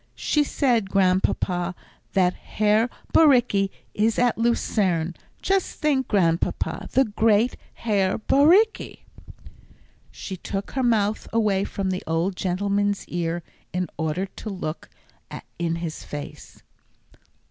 "She said, Grandpapa, that Herr Bauricke is at Lucerne; just think, Grandpapa, the great Herr Bauricke!" She took her mouth away from the old gentleman's ear in order to look in his face.